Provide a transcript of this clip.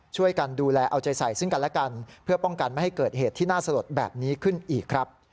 ช่วยกันดูแลเอาใจใส่ซึ่งกันและกันเพื่อป้องกันไม่ให้เกิดเหตุที่น่าสลดแบบนี้ขึ้นอีกครับ